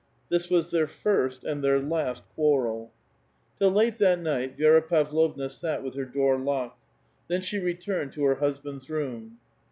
This was their first and their last quarrel. Till late that night V^i^ra Pavlovna sat with her door locked ; then she returned to her husband's room.